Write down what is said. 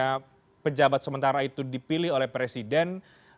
karena pejabat sementara itu dipilih oleh presiden